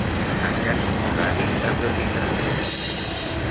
En cas contrari es detindrà.